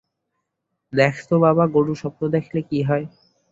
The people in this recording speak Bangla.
দেখ তো বাবা, গরু স্বপ্ন দেখলে কী হয়।